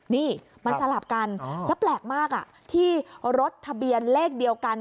นี่มันสลับกันแล้วแปลกมากที่รถทะเบียนเลขเดียวกัน